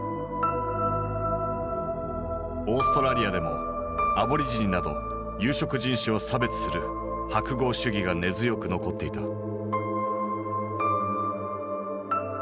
オーストラリアでもアボリジニなど有色人種を差別する白豪主義が根強く残っていた。